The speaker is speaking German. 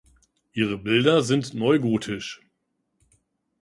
Ihre Bilder sind neugotisch.